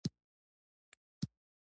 د یوه بېلتون په ترڅ کې خلک بریالي شول